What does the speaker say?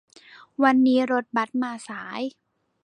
วันนี้รถบัสมาสาย